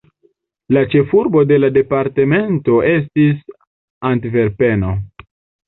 La ĉefurbo de la departemento estis Antverpeno.